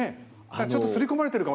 ちょっとすり込まれてるかも。